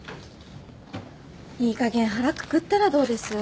いいかげん腹くくったらどうです？